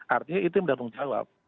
artinya itu sudah menjawab